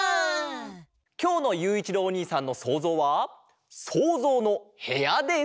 きょうのゆういちろうおにいさんのそうぞうは「そうぞうのへや」です！